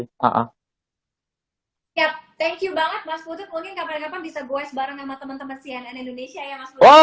thank you banget mas putut mungkin kapan kapan bisa goes bareng sama teman teman cnn indonesia ya mas